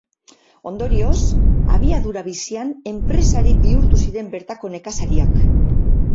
Ondorioz, abiadura bizian enpresari bihurtu ziren bertako nekazariak.